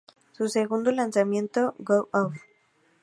Su segundo lanzamiento "Go Off!